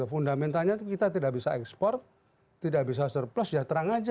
fundamentalnya itu kita tidak bisa ekspor tidak bisa surplus ya terang aja